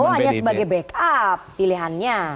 berarti pak prabowo hanya sebagai backup pilihannya